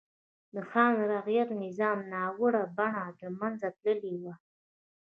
د خان رعیت نظام ناوړه بڼه له منځه تللې وه.